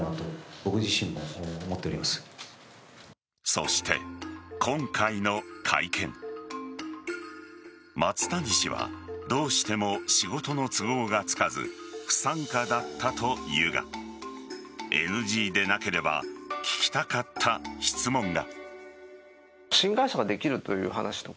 そして、今回の会見松谷氏はどうしても仕事の都合がつかず不参加だったというがＮＧでなければ聞きたかった質問が。